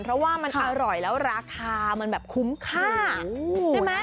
เพราะว่ามันอร่อยแล้วราคามันแบบคุ้มค่าใช่ไหม